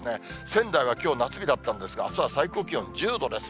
仙台はきょう夏日だったんですが、あすは最高気温１０度です。